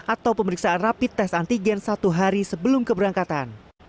atau pemeriksaan rapi tes antigen satu hari sebelum keberangkatan